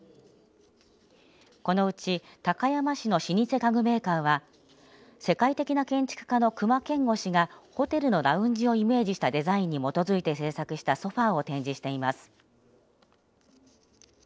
このうち、高山市の老舗家具メーカーは世界的な建築家の隈研吾氏がホテルのラウンジをイメージしたデザインに基づいて製作したソファーを展示しています。